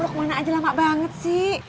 lu kemana aja lama banget sih